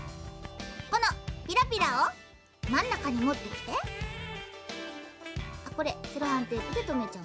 このピラピラをまんなかにもってきてセロハンテープでとめちゃう。